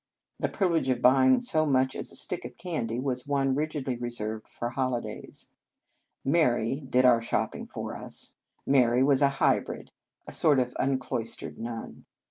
The privilege of buying so much as a stick of candy was one rigidly reserved for holidays. " Mary " did our shopping for us. Mary was a hybrid, a sort of unclois 125 In Our Convent Days tered nun.